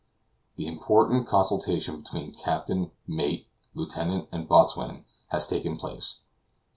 The important consultation between captain, mate, lieutenant and boatswain has taken place.